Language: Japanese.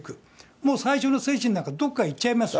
もう最初の精神なんかどっかいっちゃいますよ。